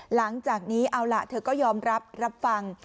หลังจากนี้เอาล่ะเธอก็ยอมรับรับฟัง